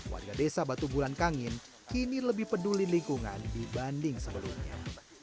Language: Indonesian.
warga desa batu bulan kangin kini lebih peduli lingkungan dibanding sebelumnya